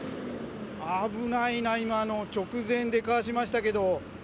危ないな、今の、直前でかわしましたけど。